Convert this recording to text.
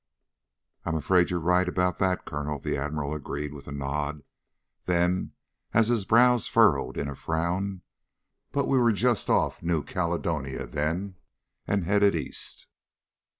"I'm afraid you're right about that, Colonel," the Admiral agreed with a nod. Then, as his brows furrowed in a frown, "But we were just off New Caledonia then, and headed east.